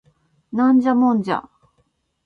ナンジャモンジャ